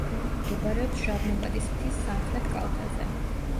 მდებარეობს შავნაბადის მთის სამხერთ კალთაზე.